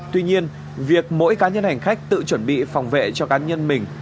tuy nhiên việc mỗi cá nhân hành khách tự chuẩn bị phòng vệ cho cá nhân mình